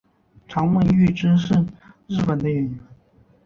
长门裕之是日本的演员。